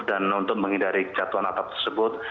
dan untuk menghindari jatuhan atap tersebut